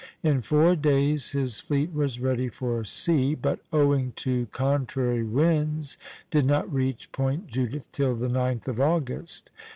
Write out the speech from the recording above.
In four days his fleet was ready for sea, but owing to contrary winds did not reach Point Judith till the 9th of August.